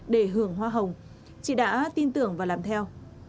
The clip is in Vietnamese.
để hưởng hoa hồng chị đã tin tưởng và làm theo